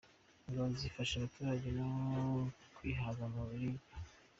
Ingabo zifasha abaturage no kwihaza mu biribwa .